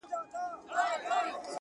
ستا و ما لره بیا دار دی,